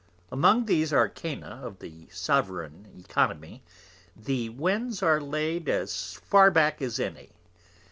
Among these Arcana of the Sovereign Oeconomy, the Winds are laid as far back as any.